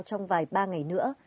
trong vài ba ngày nữa